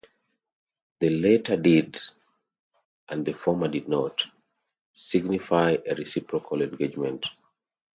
The latter did, and the former did not, signify a reciprocal engagement.